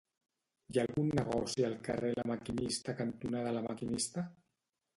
Hi ha algun negoci al carrer La Maquinista cantonada La Maquinista?